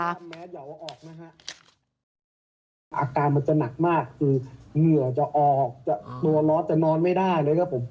อาการมันจะหนักมากคือเหนื่อยจะออกตัวรอดจะนอนไม่ได้นะครับผม